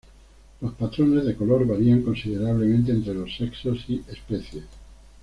Los patrones de color varían considerablemente entre los sexos y especies.